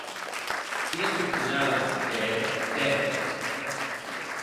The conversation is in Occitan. Quina coquinada è hèt, tè!